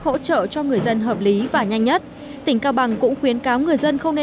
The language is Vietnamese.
và chưa có vaccine phát triển